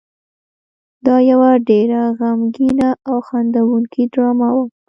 دا یو ډېره غمګینه او خندوونکې ډرامه وه.